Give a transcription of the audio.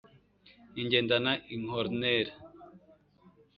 ugendana inkornere